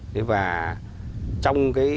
thế và trong cái quá trình